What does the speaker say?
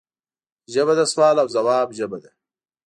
ژبه د سوال او ځواب ژبه ده